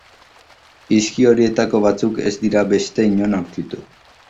Hizki horietako batzuk ez dira beste inon aurkitu.